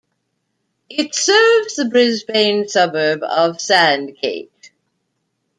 It serves the Brisbane suburb of Sandgate.